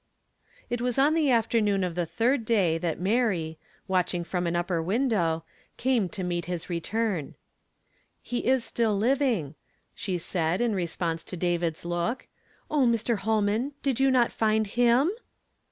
It was on the afternoon of the third day that Mary, watching from an upper window, came to meet his return "He is still living," she said, in response to David's look. "O Mr. Holman! did you not find him?''